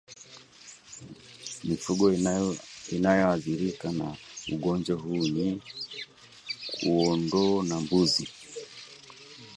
Mifugo inayoathirika na ugonjwa huu ni kuondoo na mbuzi